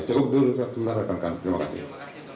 cukup dulu terima kasih